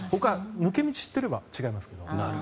抜け道を知っていれば違いますけど。